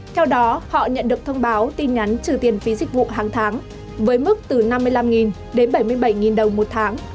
theo đó họ nhận được thông báo tin nhắn trừ tiền phí dịch vụ hàng tháng với mức từ năm mươi năm đến bảy mươi bảy đồng một tháng